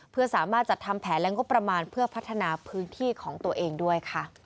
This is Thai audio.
เพื่อสามารถจัดทำแผนและงบประมาณเพื่อพัฒนาพื้นที่ของตัวเองด้วยค่ะ